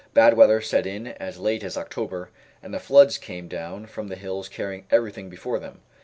Bad weather set in as late as October, and the floods came down from the hills carrying everything before them.